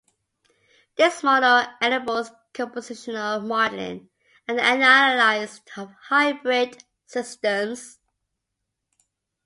This model enables compositional modeling and analysis of hybrid systems.